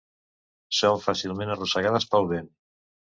Són fàcilment arrossegades pel vent.